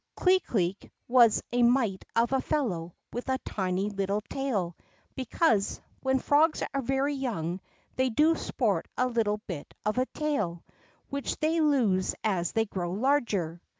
Clee Cleek was a mite of a fellow with a tiny little tale, because, when frogs are very young, they do sport a little hit of a tail, which they lose as they grow larger.